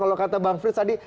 kalau kata bang frits tadi